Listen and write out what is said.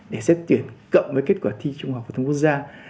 để xét tuyển cộng với kết quả thi trung học phổ thông quốc gia